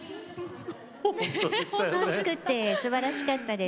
楽しくてすばらしかったです。